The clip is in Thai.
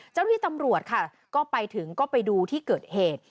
เจ้าหน้าที่ตำรวจค่ะก็ไปถึงก็ไปดูที่เกิดเหตุ